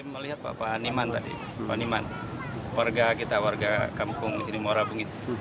melihat pak niman tadi warga kita warga kampung di muara bungin